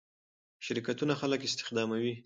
شرکتونه خلک استخداموي.